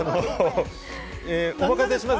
お任せします。